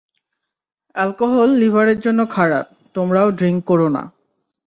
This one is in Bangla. অ্যালকোহল লিভারের জন্য খারাপ, তোমরাও ড্রিংক করো না।